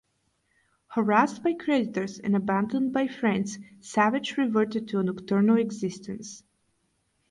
Harassed by creditors and abandoned by friends, Savage reverted to a nocturnal existence.